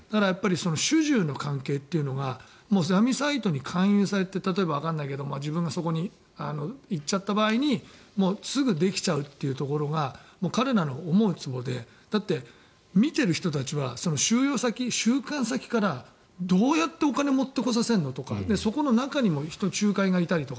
主従の関係というのが闇サイトに勧誘されて例えば、わからないけど自分がそこに行っちゃった場合にすぐにできちゃうというところが彼らの思うつぼでだって、見てる人たちは収監先から、どうやってお金を持ってこさせるのとかそこの中にも仲介がいたりとか。